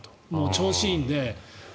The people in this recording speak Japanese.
調子がいいので。